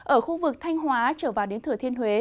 ở khu vực thanh hóa trở vào đến thừa thiên huế